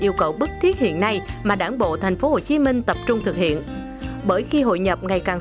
một lý thuyết hiện nay mà đảng bộ thành phố hồ chí minh tập trung thực hiện bởi khi hội nhập ngày càng